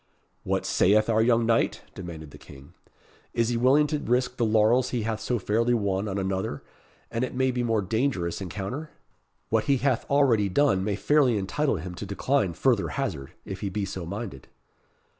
"What saith our young knight?" demanded the King. "Is he willing to risk the laurels he hath so fairly won on another, and it may be more dangerous encounter? What he hath already done may fairly entitle him to decline further hazard, if he be so minded."